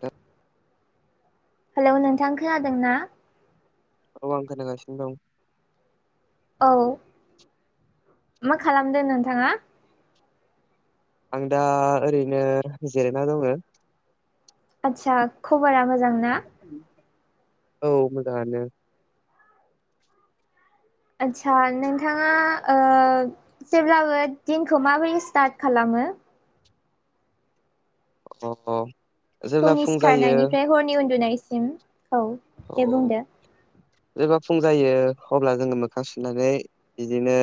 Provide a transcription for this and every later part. औ हेलौ नोंथां खोनादों ना औ आं खोनागासिनो दं। औ मा खालामदों नोंथाङा आं दा ओरैनो जिरायना दङ। आदसा खबरा मोजांना? औ मोजाङानो आदसा नोंथाङा ओ जेब्लाबो दिनखौ माबोरै स्टार्ट खालामो? अ अ जेब्ला फुंनि फुं जायो सिखारनायनिफ्राय हरनि उन्दुनायसिम औ दे औ बुंदो जेबा फुं जायो अब्ला जोङो मोखां सुनानै बिदिनो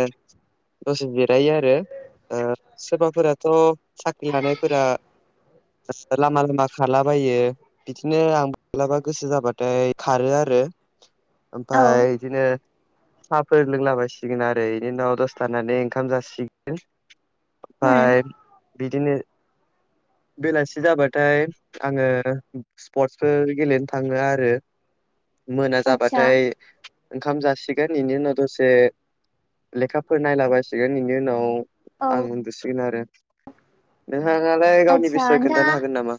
दसे बेरायो आरो ओ सोरबाफोराथ' साख्रि लानायफोरा लामा लामा खारलाबायो बिदिनो आं माब्लाबा गोसो जाबा ओमफ्राय खारो आरो औ ओमफ्राय इदिनो साहाफोर लोंलाबायसिगोन आरो इनि उनाव दसे थानानै ओंखाम जासिगोन होम ओमफ्राय बिदिनो बेलासि जाबाथाय आङो स्पर्टसफोर गेलेनो थाङो आरो ओ मोना आदसा जाबाथाय ओंखाम जासिगोन इनि उनाव दसे लेखाफोर नायलाबायसिगोन इनि उनाव औ आं उन्दुसिगोन आरो नोंहाङालाय गावनि आदसा बिसय खोन्थानो नोंथाङा हागोन नामा?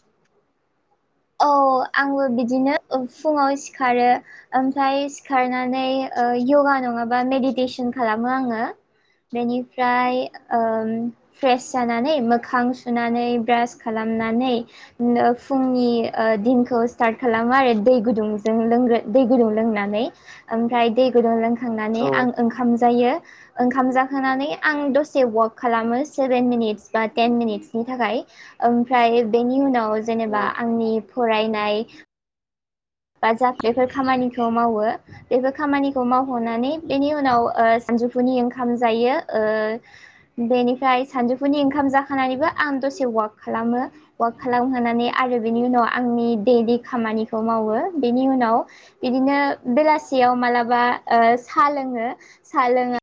औ आंबो बिदिनो फुङाव सिखारो ओमफ्राय सिखारनानै ओ यगा नङाबा मेडिटेसन खालामो आङो। बेनिफ्राय ओम फ्रेश जानानै मोखां सुनानै ब्रास खालामनानै बेनि उनाव फुंनि ओ दिनखौ स्टार्ट खालामो आरो दै गुदुंजों लोंग्रो दै गुदुं लोंनानै। ओमफ्राय दै गुदुं लोंखांनानै औ आं ओंखाम जायो। ओंखाम जाखांनानै आं दसे वाक खालामो सेभेन मिनिट्स बा टेन मिनिट्सनि थाखाय ओमफ्राय बेनि उनाव जेनेबा औ आंनि फरायनाय बा जा बेफोर खामानिखौ मावो बेफोर खामानिखौ मावखांनानै बेनि उनाव ओ सानजौफुनि ओंखाम जायो ओ बेनिफ्राय सानजौफुनि ओंखाम जाखांनानैबो आं दसे वाक खालामो। वाक खालाम खांनानै आरो बिनि उनाव आंनि दैलि खामानिखौ मावो बेनि उनाव इदिनो बेलासियाव मालाबा ओ सा लोङो सा लोङो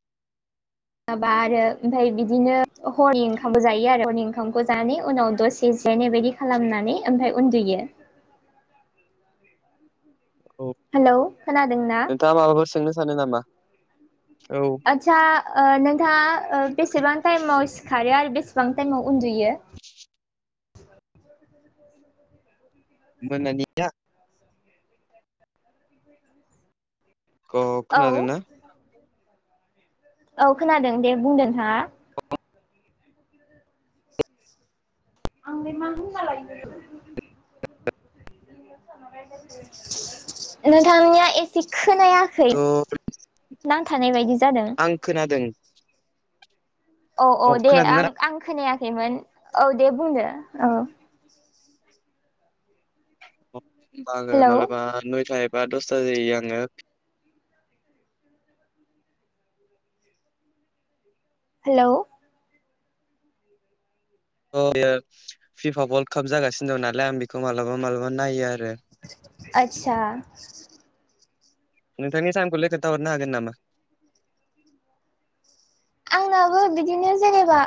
माबा आरो ओमफ्राय बिदिनो हरनि ओंखामबो जायो आरो हरनि ओंखामखौ जानानै उनाव दसे जिरायनाय बायदि खालामनानै ओमफ्राय उन्दुयो औ हेलौ खोनादोंना नोंथाङा माबाफोर सोंनो सानो नामा औ आदसा ओ नोंथाङा ओ बेसेबां टाइमाव सिखारो आरो बेसेबां टाइमाव उन्दुयो मोनानिया अ औ खोनादोंना? औ खोनादों दे बुं नोंथाङा आंलाय मा होनलालायखो नोंथांनिया एसे खोनाया खै थ' नांथानाय बायदि जादों आं खोनादों औ औ अ दे खोनादोंना आं आं खोनायाखैमोन औ दे बुंदो औ आङो हेलौ मालाबा नयथा एबा दसथा जायो आंङो [inaudible] [inaudible] हेलौ बेयो फिफा अर्ल्ड काप जागासिनो दं नालाय आं बेखौ मालाबा मालाबा नायो आरो आतसा नोंथांनि जाहोनखौलाय खोनथा हरनो हागोन नामा आंनाबो बिदिनो जेनेबा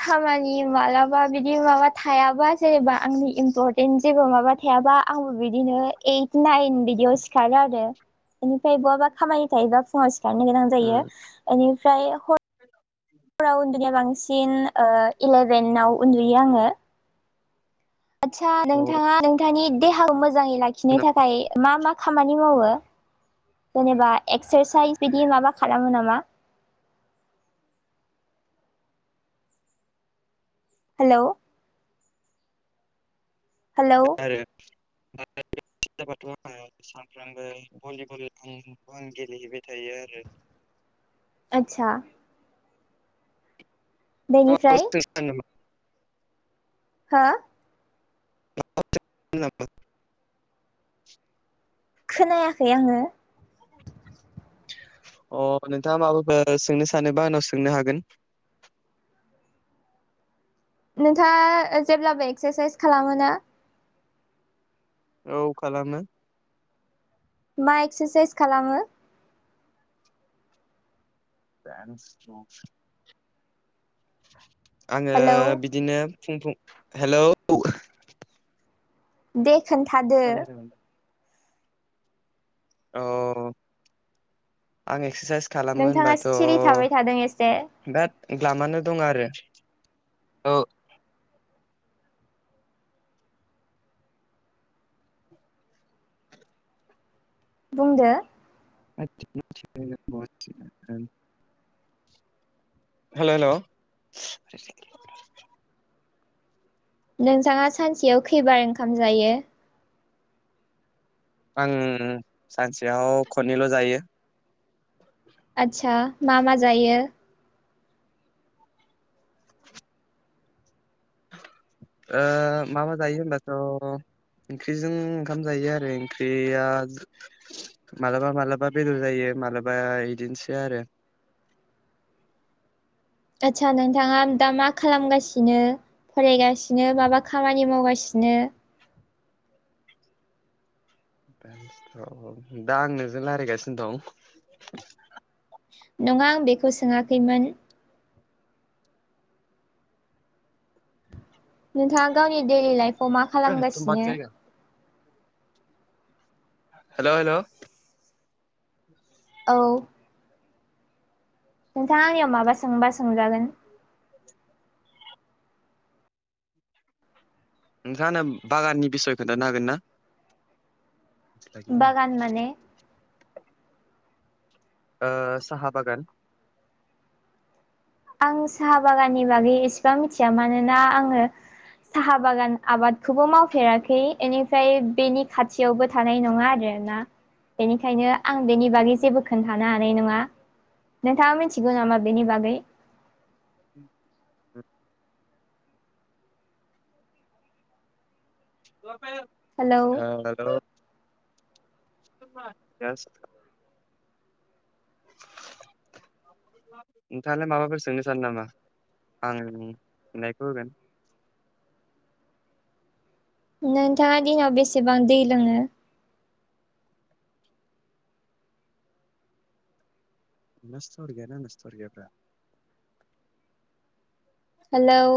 खामानि मालाबा बिदि माबा थायाबा जेनेबा आंनि इम्परटेन्ट जेबो माबा थायाबा आंबो बिदिनो ओइट नाइन बिदियाव सिखारो आरो बेनिफ्राय बहाबा खामानि थायोबा फुङाव नो गोनां जायो उम आंनिफ्राय हर फराव उन्दुनाया बांसिन इलेभेनाव उन्दुयो आङो आदसा औ नोंथाङा नोंथांनि देहाखौ मोजाङै लाखिनो खोनाबाय थाखाय मा मा खामानि मावो जेनेबा एक्सारसाइस बिदि माबा खालामो नामा हेल' हेलौ आरो आरो जाबाथ' आङो सानफ्रामबो भलिबल आंबो आं गेलेहैबाय थायो आरो आतसा बेनिफ्राय आंनाबो हा [unintelligible] खोनायाखै आङो अ नोंथाङा माबाफोर सोंनो सानोबा आंनाव सोंनो हागोन नोंथाङा जेब्लाबो एक्सारसाइस खालामोना औ खालामो मा एक्सारसाइस खालामो आङो हेलौ बिदिनो बिदिनो फुं फुं हेलौ दे खोन्थादो अ आं एक्सारसाइस खालामो नोंथाङा होनबाथ' सिरि थाबाय थादों एसे दा द्लामानो दं आरो औ बुंदो आ [unintelligible] हेल' हेल' नोंथाङा सानसेयाव खैबार ओंखाम जायो? आं सानसेयाव खननैल' जायो। आदसा मा मा जायो? ओ मा मा जायो होनबाथ' ओंख्रिजों ओंखाम जायो आरो ओंख्रिया मालाबा मालाबा बेदर जायो मालाबा इदिनोसै आरो। आदसा नोंथाङा दा मा खालामगासिनो? फरायगासिनो माबा खामानि मावगासिनो? दा आं नोजों रायलायगासिनो दं‌। नङा आं बेखौ सोङाखैमोन। नोंथाङा गावनि दैलि लाइफआव मा हेल' खालामगासिनो? हेल' हेल' औ नोंथाङा आंनियाव माबा सोंबा सोंजागोन। [inaudible] नोंथाङा आंनो बागाननि बिसय खोन्थानो हागोन ना? बागान [unintelligible] माने ओ साहा बागान आं साहा बागाननि बागै एसेबां मिथिया मानोना आङो साहा बागान आबादखौबो मावफेराखै इनिफ्राय बेनि खाथियावबो थानाय नङा आरोना बेनिखायनो आं बेनि बागै जेबो खोन्थानो हानाय नङा। नोंथाङा मिथिगौ नामा बेनि बागै? [inaudible] हेलौ हेल' [unintelligible] [inaudible] नोंथाङालाय माबाफोर सोंनो सानो नामा आं फिननायखौ होगोन। नोंथाङा दिनाव बेसेबां दै लोङो? नोंनासो थावार गैयाना आंनासो गैयाब्रा हेलौ